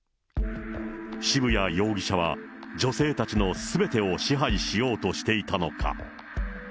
渋谷容疑者は女性たちのすべてを支配しようとしていたのか。